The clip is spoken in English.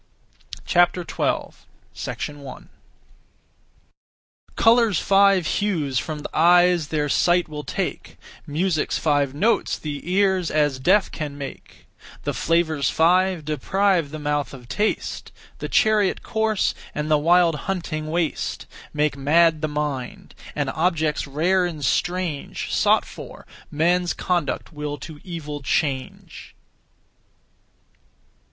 12. 1. Colour's five hues from th' eyes their sight will take; Music's five notes the ears as deaf can make; The flavours five deprive the mouth of taste; The chariot course, and the wild hunting waste Make mad the mind; and objects rare and strange, Sought for, men's conduct will to evil change.